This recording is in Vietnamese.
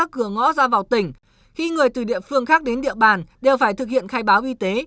khi người từ địa phương khác đến địa bàn đều phải thực hiện khai báo y tế